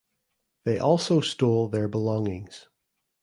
They also stole their belongings.